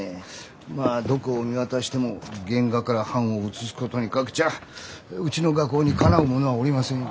まあどこを見渡しても原画から版を写すことにかけちゃあうちの画工にかなうものはおりませんよ。